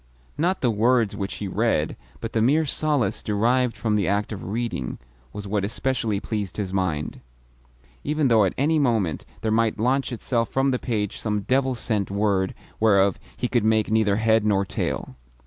Not the words which he read, but the mere solace derived from the act of reading, was what especially pleased his mind; even though at any moment there might launch itself from the page some devil sent word whereof he could make neither head nor tail.